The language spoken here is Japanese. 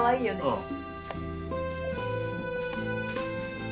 うん。